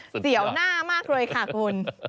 เสียวหน้ามากเลยค่ะคุณ